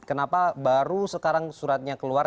kenapa baru sekarang suratnya keluar